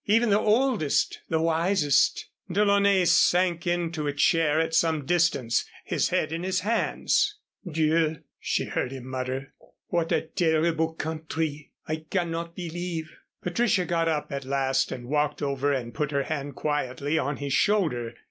Even the oldest the wisest." DeLaunay sank into a chair at some distance, his head in his hands. "Dieu!" she heard him mutter. "What a terrible country. I cannot believe " Patricia got up at last and walked over and put her hand quietly on his shoulder.